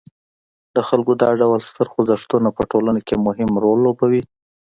د خلکو دا ډول ستر خوځښتونه په ټولنه کې مهم رول لوبوي.